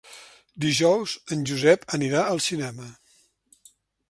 Dijous en Josep anirà al cinema.